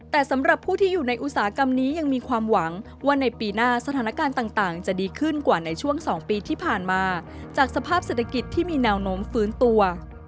แต่สำหรับผู้ที่อยู่ในอุตสาหกรรมนี้ยังมีความหวังว่าในปีหน้าสถานการณ์ต่างจะดีขึ้นกว่าในช่วง๒ปีที่ผ่านมาจากสภาพเศรษฐกิจที่มีแนวโน้มฟื้นตัว